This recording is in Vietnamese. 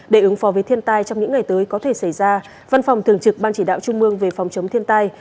để ứng phó với thiên tai trong những ngày tới có thể xảy ra văn phòng thường trực ban chỉ đạo trung mương về phòng chống thiên tai